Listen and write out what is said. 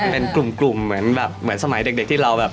เป็นกลุ่มเหมือนแบบเหมือนสมัยเด็กที่เราแบบ